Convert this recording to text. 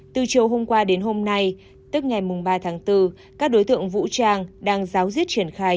từ chiều hôm qua đến hôm nay tức ngày ba tháng bốn các đối tượng vũ trang đang giáo diết triển khai